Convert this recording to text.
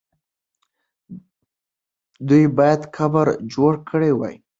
دوی باید قبر جوړ کړی وای.